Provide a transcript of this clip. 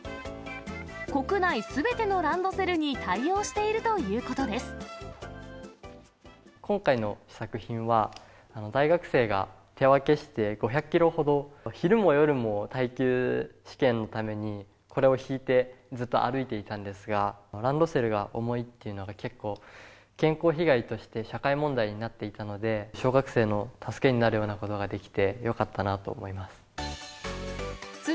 国内すべてのランドセルに対今回の作品は、大学生が手分けして５００キロほど、昼も夜も耐久試験のために、これを引いて、ずっと歩いていたんですが、ランドセルが重いっていうのが結構、健康被害として社会問題になっていたので、小学生の助けになるようなことができて、よかったなと思います。